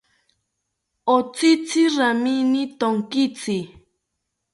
Otzitzi ramini tonkitzi